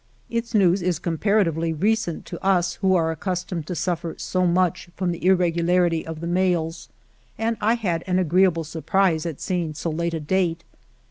Its news is comparatively recent to us who are accustomed to suffer so much from the irregularity of the mails, and I had an agreeable surprise at seeing so late a date.